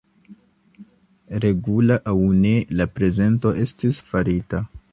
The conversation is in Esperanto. Regula aŭ ne, la prezento estis farita.